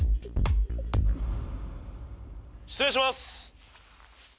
失礼します！